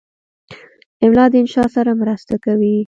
املا د انشا سره مرسته کوي.